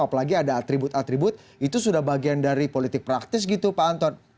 apalagi ada atribut atribut itu sudah bagian dari politik praktis gitu pak anton